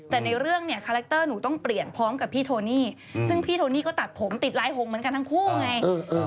แต่ในเรื่องเนี่ยคาแรคเตอร์หนูต้องเปลี่ยนพร้อมกับพี่โทนี่ซึ่งพี่โทนี่ก็ตัดผมติดลายหงเหมือนกันทั้งคู่ไง